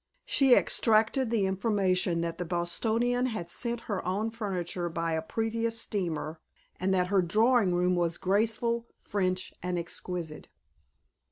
She extracted the information that the Bostonian had sent her own furniture by a previous steamer and that her drawing room was graceful, French, and exquisite.